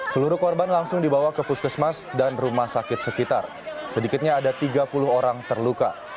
seluruh korban langsung dibawa ke puskesmas dan rumah sakit sekitar sedikitnya ada tiga puluh orang terluka